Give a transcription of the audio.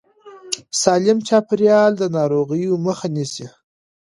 سالم چاپېريال د ناروغیو مخه نیسي.